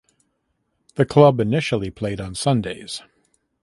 The club initially played on Sundays.